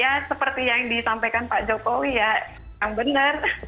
ya seperti yang disampaikan pak jokowi ya yang benar